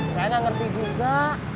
saya gak ngerti juga